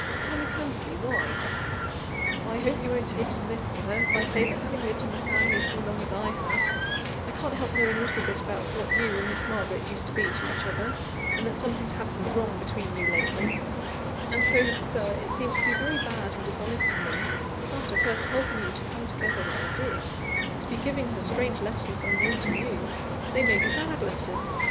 tell me candidly why?" "I hope you won't take it amiss, Sir, if I say that having lived in the family so long as I have, I can't help knowing a little about what you and Miss Margaret used to be to each other, and that something's happened wrong between you lately; and so, Sir, it seems to be very bad and dishonest in me (after first helping you to come together, as I did), to be giving her strange letters, unknown to you. They may be bad letters.